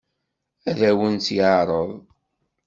Ad awen-tt-yeɛṛeḍ?